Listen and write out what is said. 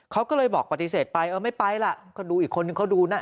เขาก็เลยบอกปฏิเสธไปเออไม่ไปล่ะก็ดูอีกคนนึงเขาดูนะ